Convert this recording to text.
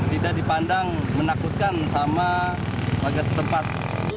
tidak dipandang menakutkan sama warga setempat